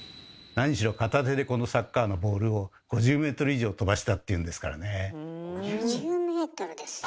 何しろ片手でこのサッカーのボールを５０ｍ以上飛ばしたっていうんですからね。